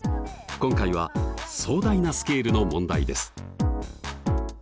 今回は壮大なスケールの問題です。